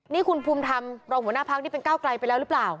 นี่คุณภูมิธรรมรองหัวหน้าพักนี่เป็นก้าวไกลไปแล้วหรือเปล่า